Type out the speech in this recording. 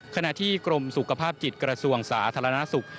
ขณะที่กรมสุขภาพจิตกระทรวงสาธารณสุข